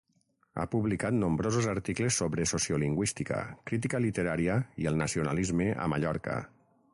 Ha publicat nombrosos articles sobre sociolingüística, crítica literària i el nacionalisme a Mallorca.